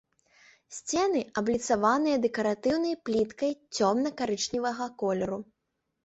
Сцены абліцаваныя дэкаратыўнай пліткай цёмна-карычневага колеру.